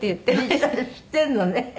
実際知ってるのね。